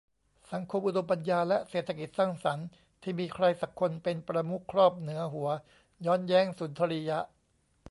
สังคมอุดมปัญญาและเศรษฐกิจสร้างสรรค์ที่มีใครสักคนเป็นประมุขครอบเหนือหัว ย้อนแย้งสุนทรียะ